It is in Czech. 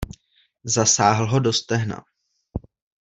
Zasáhl ho do stehna.